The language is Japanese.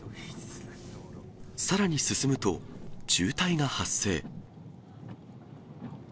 さらに進むと、渋滞が発生。